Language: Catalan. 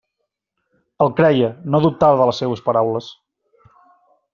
El creia, no dubtava de les seues paraules.